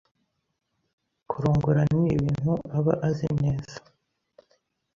kurongora nibintu aba azi neza